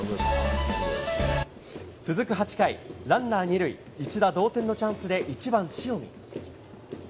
続く８回、ランナー２塁、一打同点のチャンスで、１番塩見。